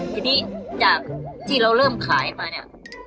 ทีนี้จากที่เราเริ่มขายมาเนี่ย